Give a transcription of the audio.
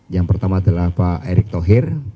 yang pertama adalah pak erick thohir